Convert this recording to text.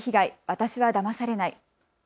私はだまされない。